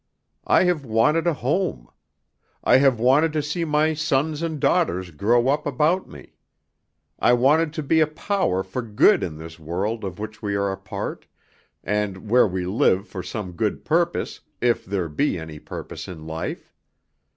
I have wanted a home; I have wanted to see my sons and daughters grow up about me. I wanted to be a power for good in this world of which we are a part, and where we live for some good purpose, if there be any purpose in life.